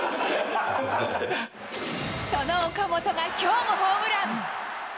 その岡本がきょうもホームラン。